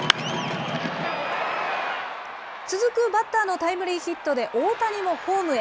続くバッターのタイムリーヒットで、大谷もホームへ。